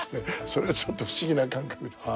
それがちょっと不思議な感覚です。